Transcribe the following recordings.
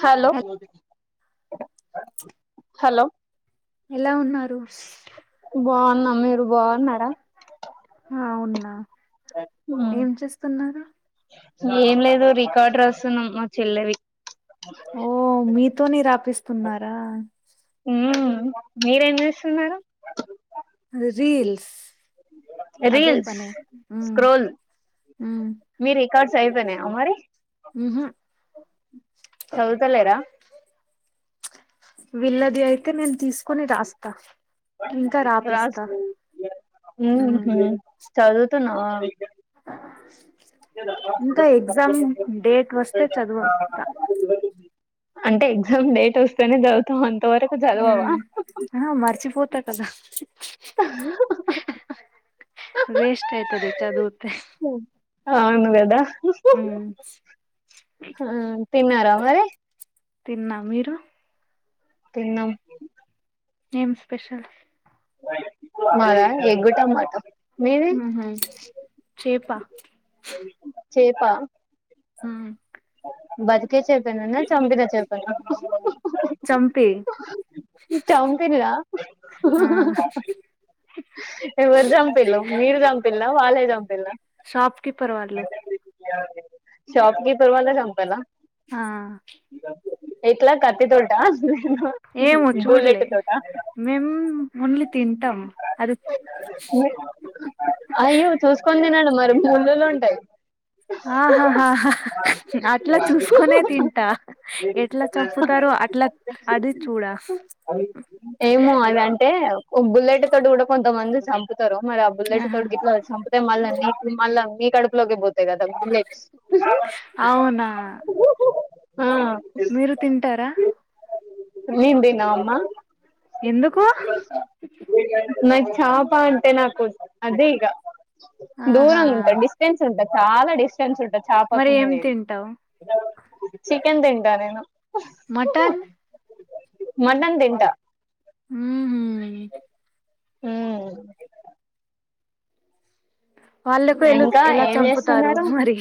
Hello హల్ hello ఎలా ఉన్నారు బాగున్నా మీరు బాగున్నార హ వున్నా ఏం చేస్తున్నారు ఏం లేదు రికార్డు రస్తు మ్ ఇవి చెల్లవి ఓ మీతో ని రాపిస్తున్నారా మీరేం చేస్తున్నారు రీల్స్ అదే రీల్స్ పన హ్మ్ సైజ్ సరిపోయింద మరి చదువుత లేరా వీల్ళది అయితే నేను తీసుకొని రాస్తా ఇంకా రాస్ రాపిస్తా ఉమ్ చదువుతున్నవా ఇంకా ఎగ్జామ్ డేట్ వస్తే చదువు తా అంటే ఎగ్జామ్ డేట్ వస్తేనే చదువుతావ్ అం ఆహ మర్చ్ చ్చి పోతా కదా వేస్ట్ అవుతాది చదువతే ఆ అవునుగదా తిన్నారా అదే తిన్నా మీరు తిన్న ఏం స్పెషల్ మీమ ఎగ్ టమాట ఆహ చేప చేపా మ్మ్ బతికే చేపెనా చంపినా చేపెన చంపి చంపియన ఆ ఎవరు చంపిళ్ళు మీరు చంపిల్ల వాళ్ళే చంపిలా షాప్ కీపర్ వాళ్ళు షాప్ కీప్ చెయల సంపాలా ఆ ఎట్లా కత్తి తోటా ఏమో బులెట్ చూడలే తోటా మేం ఓన్లీ తింటాం అది అయ్యో చూసుకొని తినడం మరి ముల్లులుంటాయి. ఆహాహా హా అట్లా చూసుకునే తింటా ఎట్లా చంపుతారో అట్లా అది చూడ ఓ బులెట్ తోటి కూడా కొంతమంది సంప్ తరు మరి ఆ బులేట్ ఆహా తోటి గిట్లా అయితే మళ్ళా మీ మళ్ళా మీ కడుపులోకి పో అంతే కదా నెస్ట్ అవునా మీరు తింటారా నేన్ తినా అమ్మా ఎందుకు నాకు చాప అంటే నాకు అదే ఇగ ఆహా దూరంగా ఉంటది డిస్టెన్స్ ఉంటది చాలా డిస్టన్స్ ఉంటద్ చా మరి ఏం తింటావ్ చికెన్ తింటా నేను మటన్ మటన్ తింటా హ్మ్ హు హ్మ్ వాళ్ళకు ఎలుక్ ఇంకా ఎలా ఏం చంపుతారు చేస్తున్నారు మరి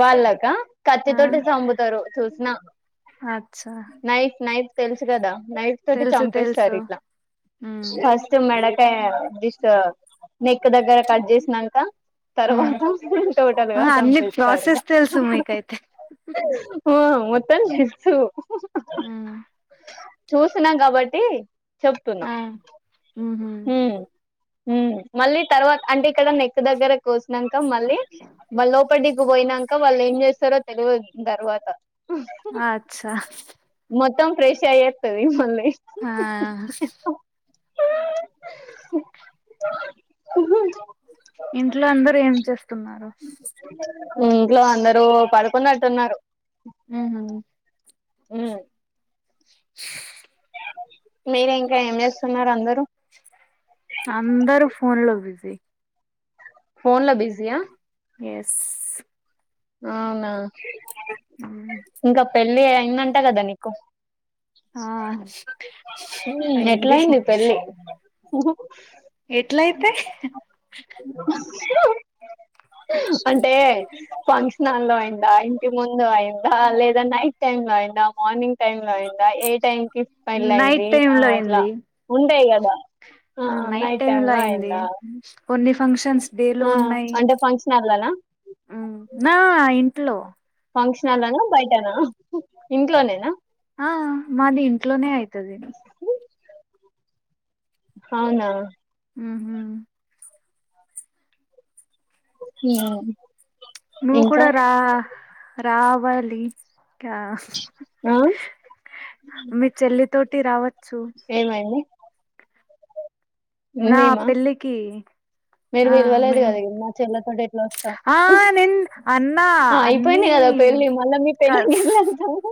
వాళ్ళక ఆ కత్తితోటె చంపుతారు చూసిన అచ్చా నైఫ్ నైఫ్ తెలుసు కదా నైఫ్ తోటి తెలుసు చంపేస్తారు తెలుసు ఇట్లా ఉమ్ ఫస్ట్ మెడక్ ఏ జిస్ట్ నెక్ దగ్గర కట్ చేసిన్నాక తర్వాత తోటలు ఖాతమ్ ప్ర్లాసెస్ తెలుసు మికైతే మొత్తాం తెలుసు హ్మ్ చూసిన కాబట్టి చెప్తున్నా ఆ ఉహు హ్మ్ హ్మ్ మళ్ళీ తర్వాత అంటే ఇక్కడ నెక్ దగ్గర కోస్ నంక మళ్ళీ వలో బైటికి పోయినంక వాళ్ళు ఏం చేస్తారు అసలు తెల్వదు తర్వాత అచ్చా మొత్తం ఫ్రెష్ అయ్యి అత్తది మళ్ళీ హా [unintelligible] ఇంట్లో అందరు ఏం చేస్తున్నారు ఇంట్లో అందరుూ పడుకున్నట్టు ఉన్నారు ఉహు హమ్ మీరు ఇంకా ఏం చేస్తున్నారు అందరూ అందరూ ఫోన్ లో బిజీ ఫోన్ లో బిజీ ఆ ఎస్ అవునా ఉమ్ ఇంకా పెళ్ళి అయిందంటా కదా నీకు కో ఆ అయింది ఎట్లాయింది పెళ్ళి ఉహు ఎట్లయితే అంటే ఫంక్షన్ హాల్ లో అయిందా ఇంటి ముందు అయిందా లేదా నైట్ టైమ్ లో అయిందా మార్నింగ్ టైమ్ లో అయిందా ఏ టైం విచ్ టైమ్ లో నైట్ అయింది టైమ్ ఆ లో ఇట్లా అయింది ఉండాయి కదా బ ఆ నైట్ టైమ్ లో అయింది కొన్ని ఫంక్షన్స్ డేలో ఆ ఉన్నాయి అంటే ఫంక్షన్ హాల్లోనా హ్మ్మ్ నా ఇంట్లో ఫంక్షన్ హాల్ లోన బయటనా ఇంట్లోనేనా ఆ మాది ఇంట్లోనే అయితది అవునా హమ్ హమ్ నువ్వు కూడా రా రా వాలి క ఆ మీ చెల్లి తో టి రావత్ ఏమైంది నా ఏమేమా పెళ్ళికి మీరు ఆ విలవలేదు మేము కద ఇంగ మా చెల్లెను అ ఆ నిన్ అన్నా ఆ అయిపోయింది అన్నీ కదా పెళ్ళి మళ్ళా మీ కల్ పెళ్ళికి ఎట్లా వెళ్తాము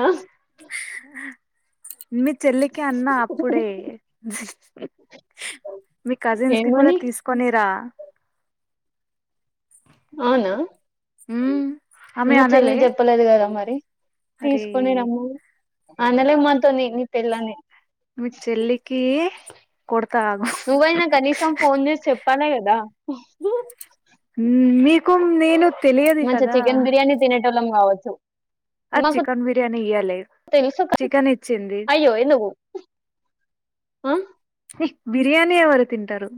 ఆ ఆ మీ చెల్లికి అన్నా అప్పుడే, మీ కజిన్స్ కి కూడా ఏమని తీసుకొనిరా అవునా ఉమ్ ఆమె మా చెల్లి అనలే చెప్పలేదు కదా మరి అరే తీసుకొని రమ్మని అనలే మాతోని నీ పెళ్ళని మీ చెల్లికి కొడత ఆగు. తనే కదా ఉమ్ మీకు నేను తెలియదు మంచి చికెన్ బిర్యాని తినే టోలం కావచ్చు. అ మాకు చికెన్ బిర్యానీ ఇయ్యలే, తెలుసు కదా. చికెన్ ఇచ్చింది. అయ్యో ఎందుకు ఆ బిర్యానీ ఎవరు తింటరు,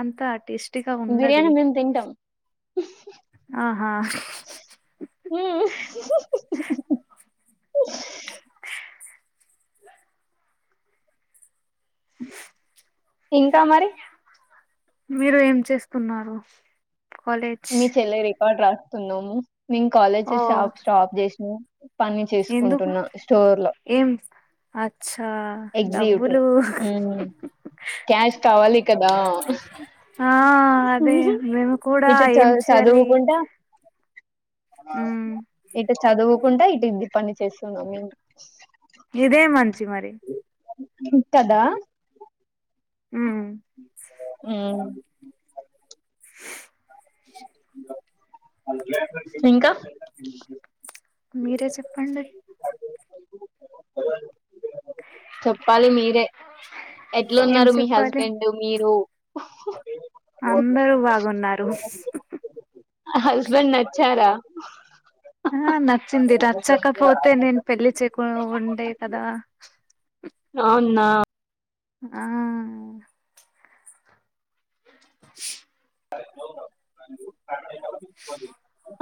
అంతా టేస్ట్ బిర్యానీ మేము తింటం ఆహా ఇంకా మరి మీరు ఏం చేస్తున్నారు? కలేజ్ కార్డ్ రాస్తున్నాము. నేను కాలేజెస్ షాప్ స్టాప్ చేసిన పని ఎందుకు చేసుకుంటున్నా స్టోర్ లో, ఏం అచ్చా ఎగ్జిక్యూటివ్ డబ్బులు ఉమ్ క్యాష్ కావాలి కదా. ఆ అదే మేము కూడా ఇటు చ ఏం చెయలి. చదువుకుంటా ఇటు చదువుకుంటా ఇటు ఇది పని చేస్తున్నాం మేము. చి మరి ఇత్తదా ఉమ్ హు ఇంకా మీరే చెప్పండి. చెప్పాలి మీరే ఏం ఎట్లున్నారు మీ చెప్పాలి హస్బెండ్ మీరు అందరు బాగున్నారు. హస్బెంన్ నచ్చారా. ఆహ న చ్చింది రచ్చకపోతే నేను పెళ్లి చె కొ ఉండె కదా. నౌవ్ నా ఆ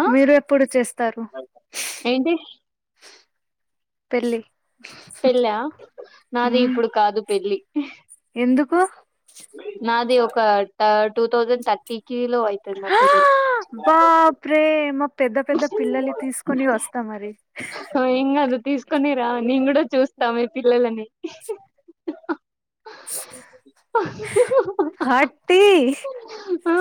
ఆ మీరు ఎప్పుడు చేస్తారు. ఏంటి పెళ్లి పెళ్ళా నాది ఉమ్ ఇప్పుడు కాదు పెళ్లి. ఎందుకు ఒక్క ట టుథౌజండ్ థర్టీకి లొ ఐతది నా హా పెళ్ళి. బాప్రే మా పెద్ద పెద్ద పిల్లల్ని తీసుకొని వస్తా మరి. క్కొని రాని నేన్కూడా చూస్తా మీ పిల్లలని హా ట్టీ ఆ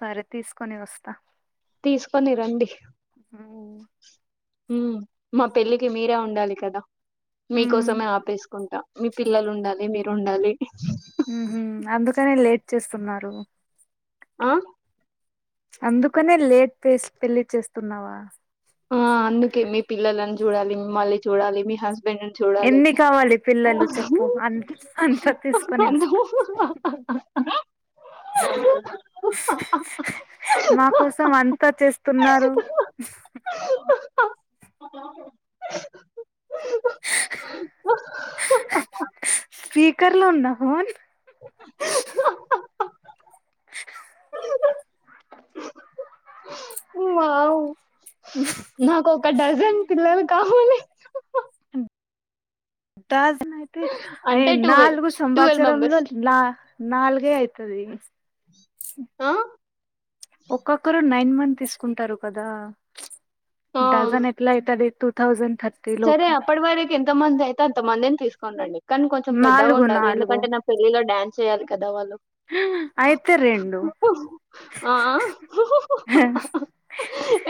సరే తీసుకొని వస్తా తీసుకొని రండి. ఉ మా పెళ్ళికి మీరే వుండాలి కదా. ఉమ్ మీకోసమే ఆపేసుకుంటా మీ పిల్లలు ఉండాలి మీరుండాలి. హుహు అందుకనే లేట్ చేస్తున్నారు. ఆ అందుకనే లేట్ పేస్ పెళ్లి చేస్తున్నావా. ఆ అందుకే మీ పిల్లలని చూడాలి మిమల్ని చూడాలి మీ హస్ ఎన్ని కావాలి పిల్లలు చెప్పు అన్ అంతా తీస్కొని వస్త, మా అ కోసం అంతా చేస్తున్నారు. స్పీకర్ లో ఉందా ఫోన్. హహ వావ్ నాకు ఒక డజన్ పిల్లలు కావలి దస్ అయి అంటే నాలుగు సంవత్సరములు మెంబర్స్. నాల్గే అయితది ఆ ఒక్కొక్కరు నైన్ మంత్ తీసుకుంటారు కదా ఆ! డజన్ ఎట్ల అయితది టూ థౌజండ్ థర్టీ సరే లోపు అప్పడవరకి ఎంత మంద్ అయితే అంత మందిన్ తీసు అవునండి కానీ కొంచెం పెద్దగ నాలుగు ఉండాలి. నాలుగు ఎందుకంటే నా పెళ్లిలో డాన్స్ చేయాలి కదా వాళ్ళు. అయితే రెండు ఆ! ఆ!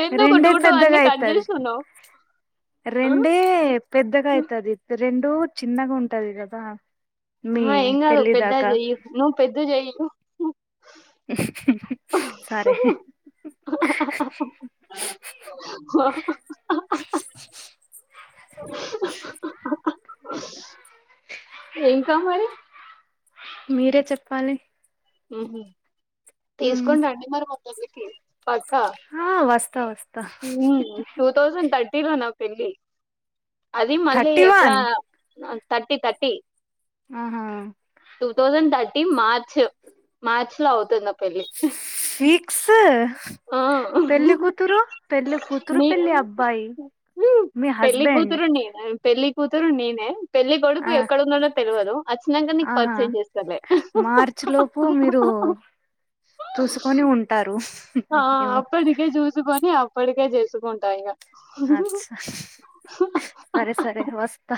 ఎందుకు రెండే పెద్దగా అన్ని కట్ అయితది చేస్తున్నావు? ఆ! రెండే పెద్దగాయతది ఇత్ రెండు చిన్నగ ఉంటది కదా మీ హా ఎంగాదు పెళ్ళి పెద్దగ దాకా జెయ్యకు నువ్వు పెద్ద జేయ్ సరే [unintelligible] ఏంకా మరి మీరే చెప్పాలి ఉ తీసుకోండి మరి ఏమై అందుకే పక్క ఆ వస్తా వస్తా టూ థౌజండ్ త ఈరు నా పెళ్ళి అది మళ్ళీ థర్టీ ఎప్పుడా వన్ నన్ తర్టీ త్రీ ఆహా టూ థౌజండ్ థట్ టి మార్చ్ మార్చ్ లో అవుతుంది పెళ్లి. ఫీక్స్ ఆ! పెళ్లి కూతురు పెళ్లి కూతురు నేను పెళ్లి అబ్బాయి మీ హస్బెండ్ పెళ్ళి కూతురు నేనే పెళ్లి కొడుకు ఆ ఎక్కడ ఉన్నాడో తెల్వదు. వచ్చినంక నీకు పరిచయం చేస్తాలే. ప్పు మీరు చూసుకొని ఉంటారు ఆ ఏమో అప్పుటికే జూసుకోని అప్ ఇప్పడికే చేసుకుంటా ఇగ అ సరే సరే వస్తా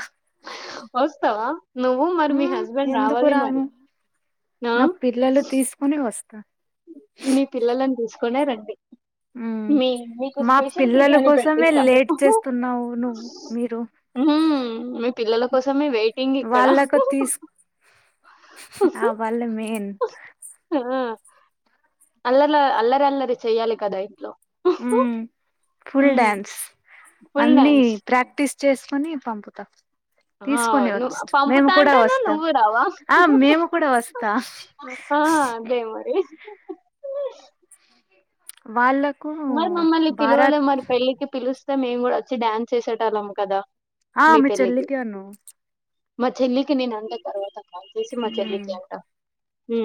వస్తావా నువ్వు మరి మీ ఉమ్ హస్బెండ్ ఎందుకు రావాలి మరి రాను ఆ వస్త మీ పిల్లలని తీసుకోనే రండి ఉమ్ మీ మీకు మా స్పెషల్ పిల్లల బిర్యానీ కోసమే పెట్టిస్తా లేట్ చేస్తున్నావు నువ్వు మీరు ఉ మీ పిల్లలకు వెయిటింగ్ ఇక్కడ వాళ్ళకు తీసు ఆ వాళ్ళ మెయిన్ ఆ అల్లల అల్లరి అల్లరి చెయ్యాలి కదా ఇంట్లో ఉ ఫుల్ హ్మ్ డ్యాన్స్ ఫుల్ అన్ని డాన్స్ ప్రాక్టీస్ చేసుకొని పంపుతా హ నువు పంపుతా అంటానవ్ వస్తాం నువ్వూ రావా ఆ మేము కూడా వస్తా ఆ అదే మరి ఓ... వాళ్ళక్ మరి మమ్మల్ని పిలువలే మరి పెళ్ళికి పిలుస్ అస్తె మేము కూడా అచ్చి డాన్స్ చేసేటళ్లం కదా ఆ మీ చెల్లి కి అను మా చెల్లికి నేను అంటే తర్వాత అది చూసి మా చెల్లి కి అంట ఏ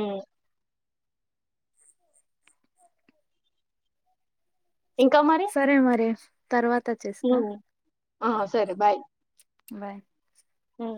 ఇంకా మరి సరే మరి తర్వాత చేస్తా ఉమ్ ఆ సరే బాయ్ బాయ్ ఉమ్